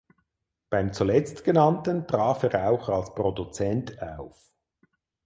Beim zuletzt genannten trat er auch als Produzent auf.